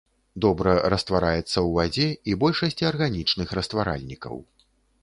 Добра раствараецца ў вадзе і большасці арганічных растваральнікаў.